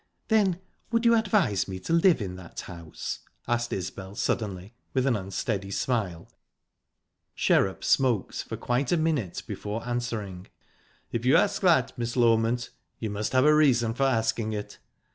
"Then would you advise me to live in that house?" asked Isbel suddenly, with an unsteady smile. Sherrup smoked for quite a minute before answering. "If you ask that, Miss Loment, you must have a reason for asking it.